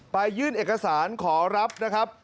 ยื่นเอกสารขอรับนะครับ